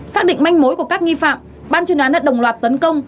xác định manh mối của các nghi phạm ban chuyên án đã đồng loạt tấn công